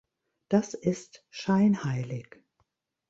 Das ist scheinheilig.